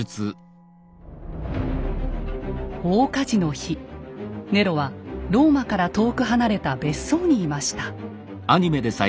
大火事の日ネロはローマから遠く離れた別荘にいました。